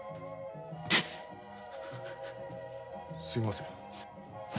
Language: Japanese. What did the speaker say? すいません。